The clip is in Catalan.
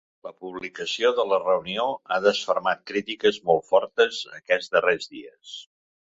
La publicació de la reunió ha desfermat crítiques molt fortes aquests darrers dies.